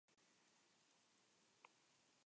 Fue becario en El Paular, donde su obra fue premiada.